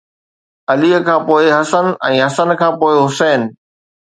علي کان پوءِ حسن ۽ حسن کان پوءِ حسين